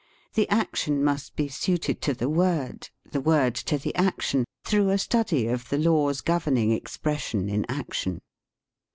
The action must be suited to the word, the word to the action, through a study of the laws governing expression in action.